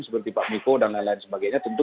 seperti pak miko dan lain lain sebagainya tentu